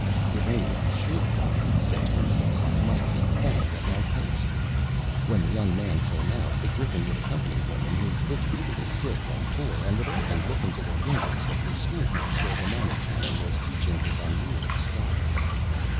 "If any one should come," he said to himself, "I must be found at my post." When the young man came out, the Griffin would accompany him in his visits to the sick and the poor, and would often look into the windows of the schoolhouse where the Minor Canon was teaching his unruly scholars.